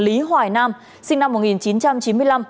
lý hoài nam sinh năm một nghìn chín trăm chín mươi năm